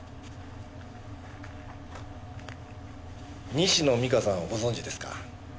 西野実花さんをご存じですか？